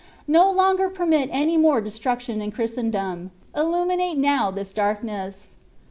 No longer permit any more de struction in Christendom; illuminate now this darkness.